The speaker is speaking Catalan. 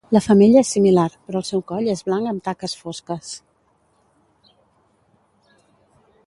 La femella és similar, però el seu coll és blanc amb taques fosques.